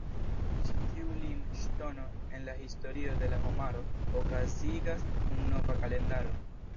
Ĉi tiu limŝtono en la historio de la homaro okazigas kun nova kalendaro.